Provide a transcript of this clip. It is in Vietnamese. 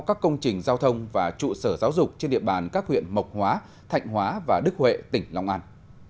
các công trình giao thông và trụ sở giáo dục trên địa bàn các huyện mộc hóa thạnh hóa và đức huệ tỉnh long an